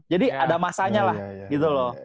jadi ada masanya lah gitu loh